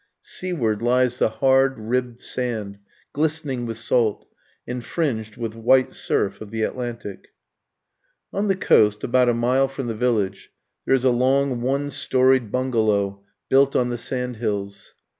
Seaward lies the hard ribbed sand, glistening with salt, and fringed with the white surf of the Atlantic. On the coast, about a mile from the village, there is a long one storyed bungalow, built on the sand hills.